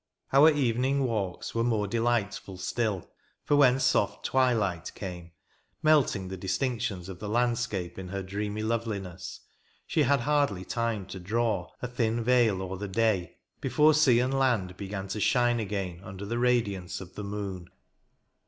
Our evening walks were more delightful still; for when soft twilight came, melting the distinctions of the landscape in her dreamy loveliness, she had hardly time to draw " a thin veil o'er the day" before sea and land began to shine again under the radiance of the moon.